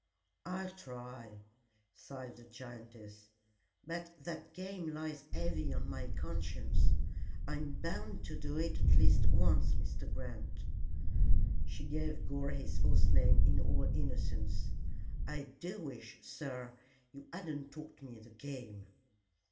"I'll try," sighed the giantess; "but that game lies heavy on my conscience. I'm bound to do it at least once, Mr. Grant." She gave Gore his false name in all innocence. "I do wish, sir, you hadn't taught me the game."